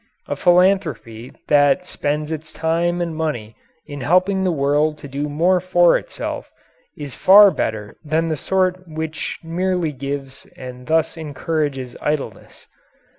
A philanthropy that spends its time and money in helping the world to do more for itself is far better than the sort which merely gives and thus encourages idleness.